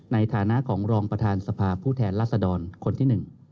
ในฐานะของรองประธานสภาผู้แทนรัศดรคนที่๑